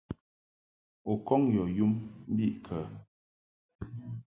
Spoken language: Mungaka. U kɔŋ yɔ yum mbiʼkə?